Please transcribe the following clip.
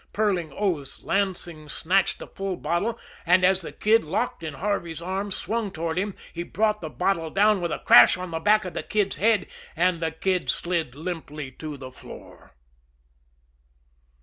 Purling oaths, Lansing snatched the full bottle, and, as the Kid, locked in Harvey's arms, swung toward him, he brought the bottle down with a crash on the back of the Kid's head and the Kid slid limply to the floor.